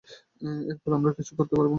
এরপর আমরা কিছুই করতে পারব না।